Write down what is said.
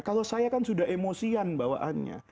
kalau saya kan sudah emosian bawaannya